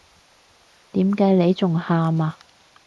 點解你仲喊呀？